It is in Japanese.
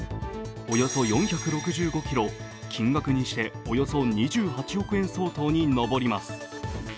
およそ４６５ｋｇ、金額にしておよそ２８億円相当に上ります。